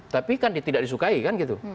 tapi kan tidak disukai kan gitu